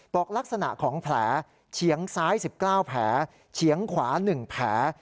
บอกลักษณะของแผลเฉียงซ้าย๑๙แผลเฉียงขวา๑แผล